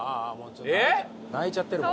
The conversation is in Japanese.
泣いちゃってるもん。